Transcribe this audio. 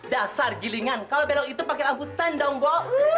dasar gilingan kalau belok itu pakai lampu stand dong bo